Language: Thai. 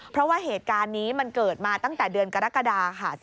เพราะว่าเหตุการณ์นี้มันเกิดมาตั้งแต่เดือนกรกฎาค่ะ